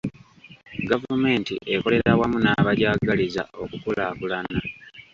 Gavumenti ekolera wamu n'abagyagaliza okukulaakulana.